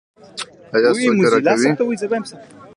آیا څوک یې راکوي؟